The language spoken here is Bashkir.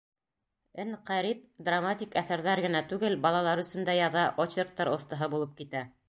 Н. Ҡәрип драматик әҫәрҙәр генә түгел, балалар өсөн дә яҙа, очерктар оҫтаһы булып китә.